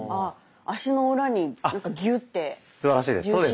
あっ足の裏にギュッてすばらしいです。